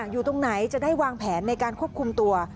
อยู่ตรงไหนจะได้วางแผนในการควบคุมตัว